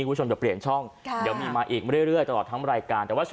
ผู้ชมจะเปลี่ยนช่องเดี๋ยวมีมาอีกเรื่อยตลอดทั้งรายการ